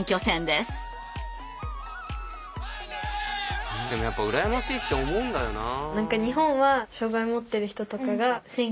でもやっぱ羨ましいって思うんだよな。